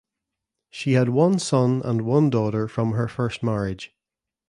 She had one son and one daughter from her first marriage.